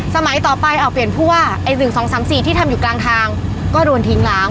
สมัยต่อไปอ่ะเปลี่ยนภูวะไอหนึ่งสองสามสี่ที่ทำอยู่กลางทางก็โดนทิ้งล้าง